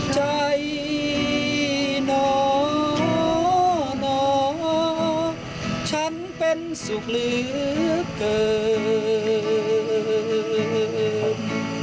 ใจหน่าหน่าชั้นเป็นสุขลือเกิน